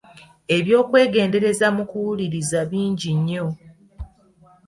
Eby’okwegendereza mu kuwuliriza bingi nnyo.